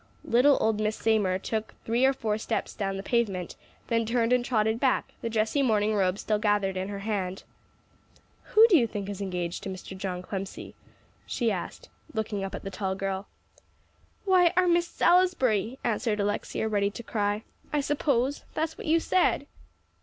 Little old Miss Seymour took three or four steps down the pavement, then turned and trotted back, the dressy morning robe still gathered in her hand. "Who do you think is engaged to Mr. John Clemcy?" she asked, looking up at the tall girl. "Why, our Miss Salisbury," answered Alexia, ready to cry, "I suppose. That's what you said."